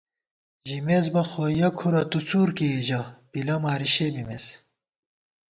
ژِمېس بہ خو یَہ کھُرہ تُو څُور کېئی ژَہ پِلہ ماری شے بِمېس